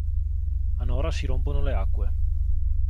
A Nora si rompono le acque.